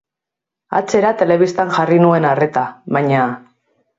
Atzera telebistan jarri nuen arreta, baina.